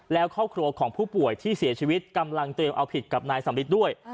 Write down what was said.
แล้วครอบครัวของผู้ป่วยที่เสียชีวิตกำลังเตรียมเอาผิดกับนายสำริทด้วย